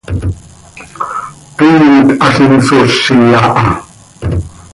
Toii nt hazi soozi aha.